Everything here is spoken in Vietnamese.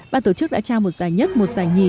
ban tổ chức đã trao một giải nhất một giải nhì